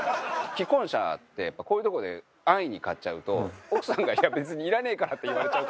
既婚者ってやっぱこういうとこで安易に買っちゃうと奥さんがいや別にいらねえからって言われちゃう可能性が。